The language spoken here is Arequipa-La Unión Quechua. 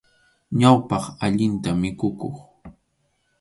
Ñawpaq, allinta mikhukuq.